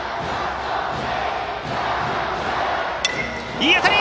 いい当たり！